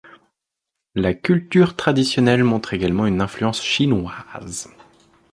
La culture traditionnelle montre également une influence chinoise.